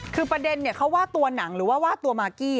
คือประเด็นเขาว่าตัวหนังหรือว่าว่าตัวมากกี้